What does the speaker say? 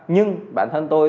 nhưng bản thân tôi